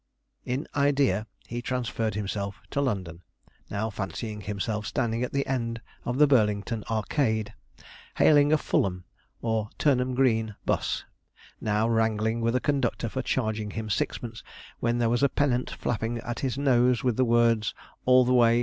In idea he transferred himself to London, now fancying himself standing at the end of Burlington Arcade, hailing a Fulham or Turnham Green 'bus; now wrangling with a conductor for charging him sixpence when there was a pennant flapping at his nose with the words "ALL THE WAY 3D."